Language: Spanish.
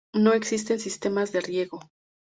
No existen sistemas de riego.